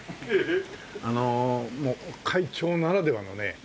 あのもう会長ならではのね。